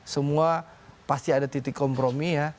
semua pasti ada titik kompromi ya